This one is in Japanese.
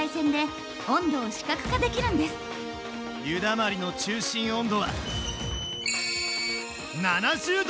湯だまりの中心温度は７０℃！